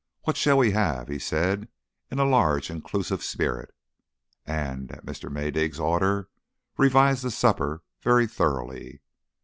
"What shall we have?" he said, in a large, inclusive spirit, and, at Mr. Maydig's order, revised the supper very thoroughly.